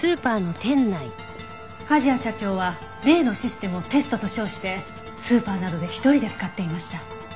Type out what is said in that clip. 梶谷社長は例のシステムをテストと称してスーパーなどで一人で使っていました。